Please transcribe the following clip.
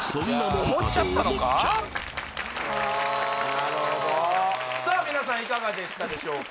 なるほどさあ皆さんいかがでしたでしょうか？